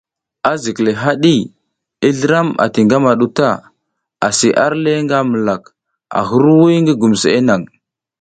Azikle haɗi, i zliram ati ngamaɗu ta, asi arle nga milak, a hirwuy ngi gumseʼe nang.